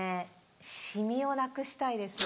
シミをなくしたいですね。